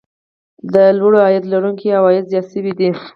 د لوړ عاید لرونکو عوايد زیات شوي دي